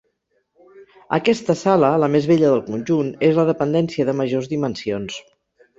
Aquesta sala, la més bella del conjunt, és la dependència de majors dimensions.